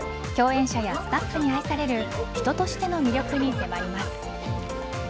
共演者やスタッフに愛される人としての魅力に迫ります。